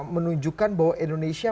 menunjukkan bahwa indonesia